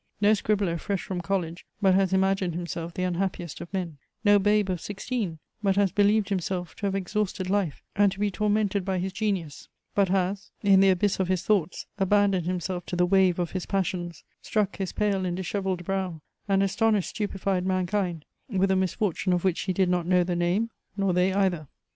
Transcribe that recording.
No scribbler fresh from college but has imagined himself the unhappiest of men; no babe of sixteen but has believed himself to have exhausted life and to be tormented by his genius, but has, in the abyss of his thoughts, abandoned himself to the "wave of his passions," struck his pale and dishevelled brow, and astonished stupefied mankind with a misfortune of which he did not know the name, nor they either.